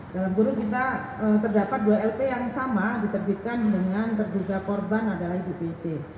dalam guru kita terdapat dua lp yang sama diterbitkan dengan terduga korban adalah ibu pc